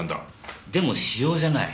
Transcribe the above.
でも使用じゃない。